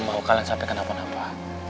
mau kalian sampaikan apa apa